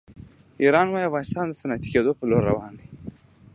ایران وایي افغانستان د صنعتي کېدو په لور روان دی.